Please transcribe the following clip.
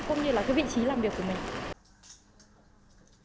cũng như là cái vị trí làm việc của mình